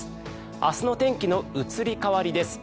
明日の天気の移り変わりです。